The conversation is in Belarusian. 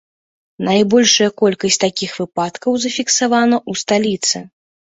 Найбольшая колькасць такіх выпадкаў зафіксавана ў сталіцы.